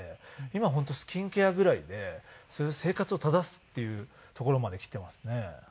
今本当スキンケアぐらいで生活を正すっていうところまできてますね。